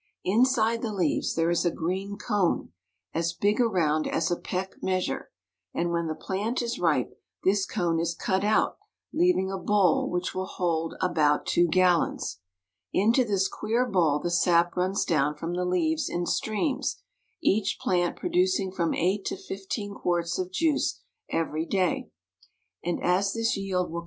Inside the leaves there is a green cone as big around as a peck measure; and when the plant is ripe, this cone is cut out, leaving a bowl which will hold about two gallons. Into this queer bowl the sap runs down from the leaves in streams, each plant producing from eight to fif teen quarts of juice every day; and as this yield will con CARP.